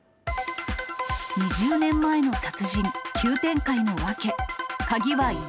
２０年前の殺人、急展開の訳。